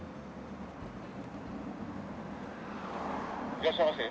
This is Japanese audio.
「いらっしゃいませ」